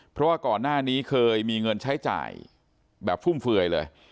เพราะว่าก่อนหน้านี้เคยมีเงินใช้จ่ายแบบฟุ่มเฟื่อยเลย